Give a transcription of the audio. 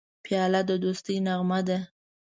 پیاله د دوستی نغمه ده.